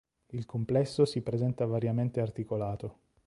Il complesso si presenta variamente articolato.